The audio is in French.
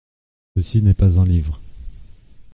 Ceci n’est pas un livre.